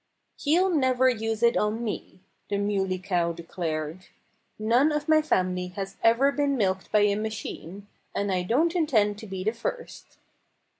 "He'll never use it on me," the Muley Cow declared. "None of my family has ever been milked by a machine; and I don't intend to be the first."